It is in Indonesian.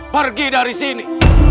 pergi dari sini